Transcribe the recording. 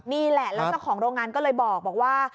นี่แหละแล้วเจ้าของโรงงานก็เลยบอกว่า